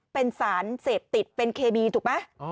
เป็นสารเสพติดเป็นเคมีถูกไหม